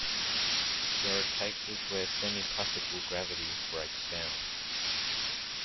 There are cases where semiclassical gravity breaks down.